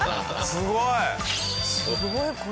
すごい！